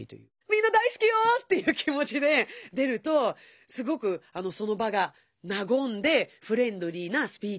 「みんな大すきよ」っていう気持ちで出るとすごくその場がなごんでフレンドリーなスピーチになると思うよ。